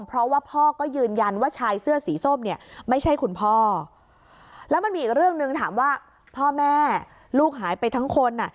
เพราะว่าพ่อก็ยืนยันว่าชายเสื้อสีส้มเนี่ยไม่ใช่คุณพ่อแล้วมันมีอีกเรื่องหนึ่งถามว่าพ่อแม่ลูกหายไปทั้งคนอ่ะ